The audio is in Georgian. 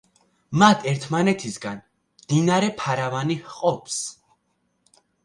მათ ერთმანეთისგან მდინარე ფარავანი ჰყოფს.